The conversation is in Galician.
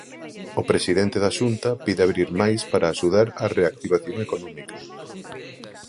O presidente da Xunta pide abrir máis para axudar á reactivación económica.